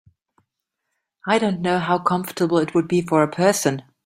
I don’t know how comfortable it would be for a person.